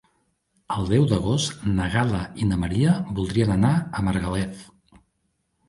El deu d'agost na Gal·la i na Maria voldrien anar a Margalef.